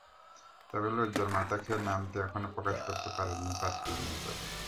তবে লজ্জার মাথা খেয়ে নামটি এখনো প্রকাশ করতে পারেননি পাত্রী নিজে।